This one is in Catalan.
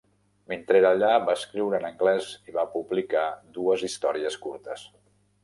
Mentre era allà, va escriure en anglès i va publicar dues històries curtes.